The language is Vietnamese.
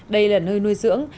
đây là nơi nuôi dưỡng